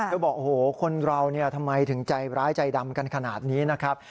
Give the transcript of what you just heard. บอกโอ้โหคนเราทำไมถึงใจร้ายใจดำกันขนาดนี้นะครับ